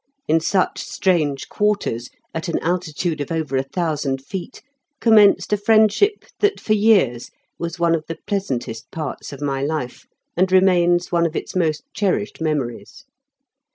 In such strange quarters, at an altitude of over a thousand feet, commenced a friendship that for years was one of the pleasantest parts of my life, and remains one of its most cherished memories.